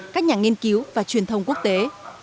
các nhà nghiên cứu và truyền thông quốc tế